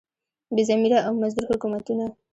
بې ضمیره او مزدور حکومتونه.